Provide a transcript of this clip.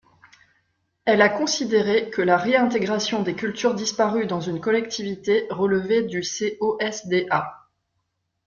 Elle a considéré que « la réintégration des cultures disparues dans une collectivité » relevait du COSDA.